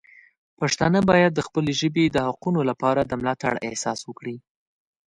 پښتانه باید د خپلې ژبې د حقونو لپاره د ملاتړ احساس وکړي.